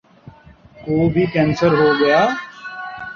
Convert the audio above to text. کو بھی کینسر ہو گیا ؟